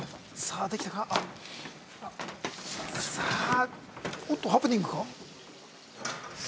あっさあおっとハプニングか？